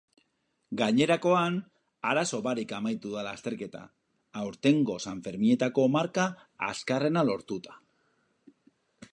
Gainerakoan, arazo barik amaitu da lasterketa, aurtengo sanferminetako marka azkarrena lortuta.